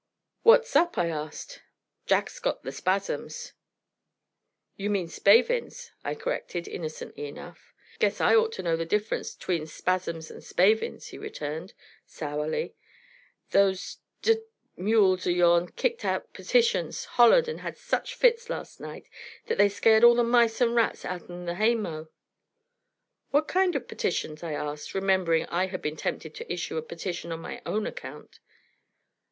"What's up?" I asked. "Jacks got the spasms." "You mean spavins," I corrected, innocently enough. "Guess I ought to know the difference 'tween spasms and spavins," he returned, sourly. "Those d mules o' yourn kicked out petitions, hollared, and had such fits last night that they scared all the mice and rats outen the haymow." "What kind of petitions?" I asked, remembering I had been tempted to issue a petition on my own account.